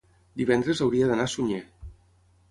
divendres hauria d'anar a Sunyer.